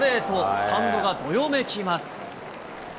スタンドがどよめきます。